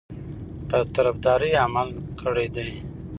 په طرفداري عمل کړی دی.